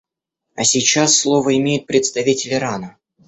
А сейчас слово имеет представитель Ирана.